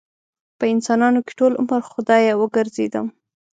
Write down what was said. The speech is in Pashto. په انسانانو کې ټول عمر خدايه وګرځېدم